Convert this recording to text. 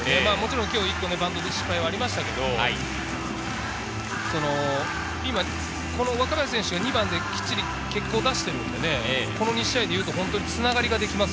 今日、バント失敗もありましたけれど、若林選手が２番できっちり結果を出しているので、この２試合でいうと繋がりができています。